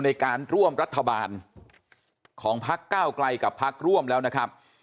ในการร่วมรัฐบาลของพักเก้าไกลกับพักร่วมแล้วนะครับ